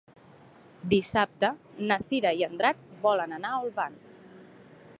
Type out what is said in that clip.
Dissabte na Cira i en Drac volen anar a Olvan.